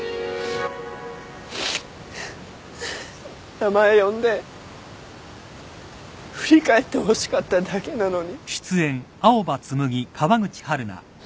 名前呼んで振り返ってほしかっただけなのに。